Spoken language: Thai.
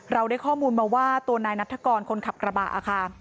เราได้ข้อมูลมาว่าตัวนายนัฐกรคนขับกระบะค่ะ